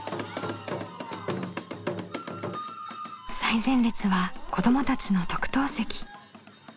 最前列は子どもたちの特等席。